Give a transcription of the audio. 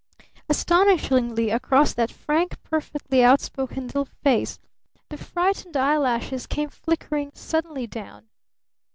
Astonishingly across that frank, perfectly outspoken little face, the frightened eyelashes came flickering suddenly down.